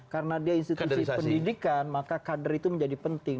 karena dia institusi pendidikan maka kader itu menjadi penting